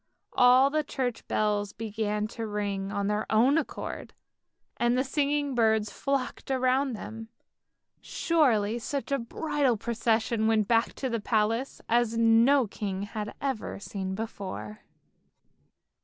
All the church bells began to ring of their own accord, and the singing birds flocked around them. Surely such a bridal procession went back to the palace as no king had ever seen before